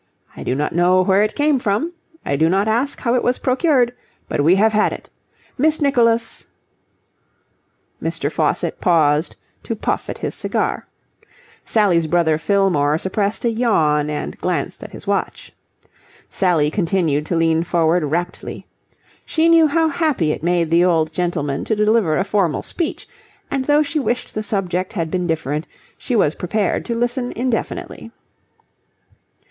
I do not know where it came from: I do not ask how it was procured, but we have had it. Miss Nicholas..." Mr. Faucitt paused to puff at his cigar. Sally's brother Fillmore suppressed a yawn and glanced at his watch. Sally continued to lean forward raptly. She knew how happy it made the old gentleman to deliver a formal speech; and though she wished the subject had been different, she was prepared to listen indefinitely.